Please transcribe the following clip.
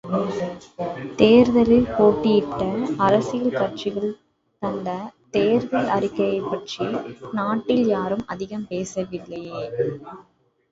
தேர்தலில் போட்டியிட்ட அரசியல் கட்சிகள் தந்த தேர்தல் அறிக்கையைப் பற்றி நாட்டில் யாரும் அதிகம் பேசவில்லையே!